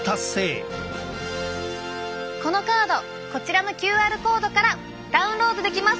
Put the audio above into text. このカードこちらのＱＲコードからダウンロードできます。